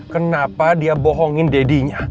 kenapa dia bohongin dadinya